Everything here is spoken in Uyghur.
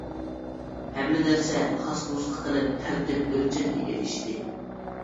ھەممە نەرسە خاس نۇسخا، قېلىپ، تەرتىپ، ئۆلچەمگە ئېرىشتى.